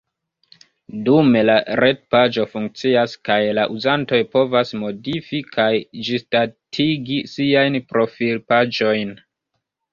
Dume la retpaĝo funkcias kaj la uzantoj povas modifi kaj ĝisdatigi siajn profilpaĝojn.